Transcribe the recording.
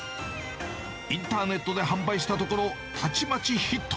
インターネットで販売したところ、たちまちヒット。